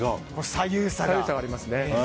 左右差がありますね。